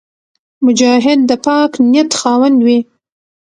مجاهد د پاک نیت خاوند وي.